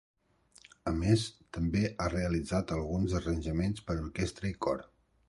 A més, també ha realitzat alguns arranjaments per orquestra i cor.